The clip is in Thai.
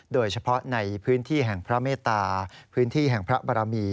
โดยเฉพาะในพื้นที่แห่งพระเมตตาพื้นที่แห่งพระบารมี